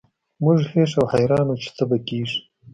موږ هېښ او حیران وو چې څه به کیږي